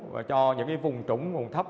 và cho những cái vùng trũng vùng thấp